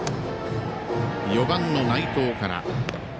４番の内藤から。